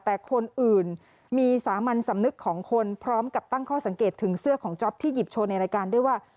แต่คนอื่นมีสามัญสำนึกของคนพร้อมกับตั้งข้อสังเกตถึงเสื้อของจ๊อปที่หยิบโชว์ในรายการด้วยว่า